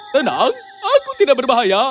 tenang aku tidak berbahaya